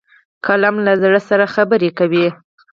قلم له زړه سره خبرې کوي